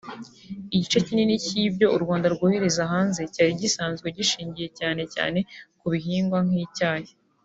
Igice kinini cy’ibyo u Rwanda rwohereza hanze cyari gisanzwe gishingiye cyane cyane ku bihingwa nk’icyayi